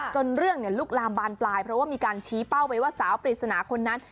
จนเรื่องลุกรามบานปลายเพราะมีการชี้เป้าไปสาวฟิศานะคนนั้น